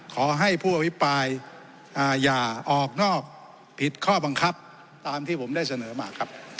ขอให้ผู้อภิปรายอย่าออกนอกผิดข้อบังคับตามที่ผมได้เสนอมาครับ